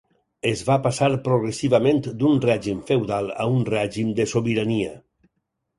Es va passar progressivament d'un règim feudal a un règim de sobirania.